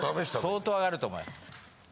相当上がると思います。